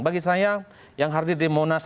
bagi saya yang hadir di monas